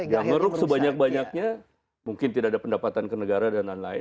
yang ngeruk sebanyak banyaknya mungkin tidak ada pendapatan ke negara dan lain lain